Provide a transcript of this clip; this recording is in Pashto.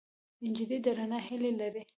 نجلۍ د رڼا هیلې لري.